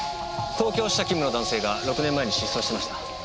東京支社勤務の男性が６年前に失踪してました。